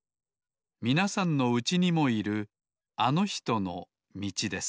みなさんのうちにもいるあのひとのみちです